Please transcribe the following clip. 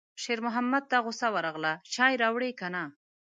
شېرمحمد ته غوسه ورغله: چای راوړې که نه